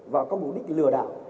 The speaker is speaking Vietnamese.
và có mục đích lừa đạo